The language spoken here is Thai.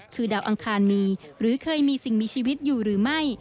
คือดาวอังคารมีหรือเคยมีสิ่งมีชีวิตอยู่หรือไม่